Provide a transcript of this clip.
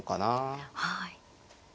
はい。